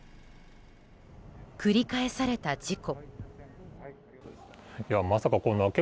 繰り返された事故。